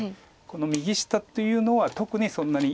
この右下というのは特にそんなに。